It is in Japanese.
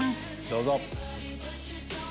どうぞ。